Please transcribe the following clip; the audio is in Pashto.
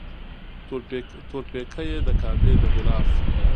تور پیکی یې د کعبې د غلاف